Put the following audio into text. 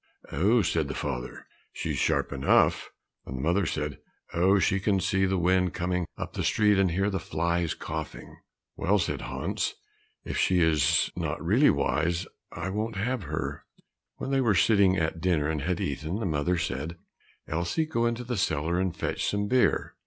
"Oh," said the father, "she's sharp enough;" and the mother said, "Oh, she can see the wind coming up the street, and hear the flies coughing." "Well," said Hans, "if she is not really wise, I won't have her." When they were sitting at dinner and had eaten, the mother said, "Elsie, go into the cellar and fetch some beer."